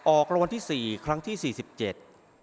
ออกรางวัลที่สี่ครั้งที่สี่สิบเจ็ด